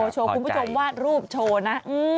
โชว์คุณผู้ชมวาดรูปโชว์นะ